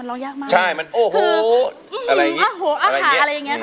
มันลองยากมาก